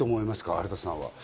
有田さんは。